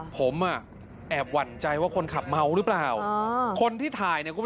ผมแอบหวั่นใจว่าคนขับเมาหรือเปล่า